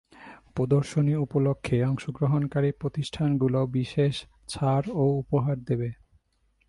প্রদর্শনী উপলক্ষে অংশগ্রহণকারী প্রতিষ্ঠানগুলো বিশেষ ছাড় ও উপহার দেবে।